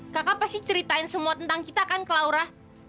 kakak pasti ceritain semua tentang kita kan ke laura